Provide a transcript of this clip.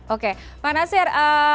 oke pak nasir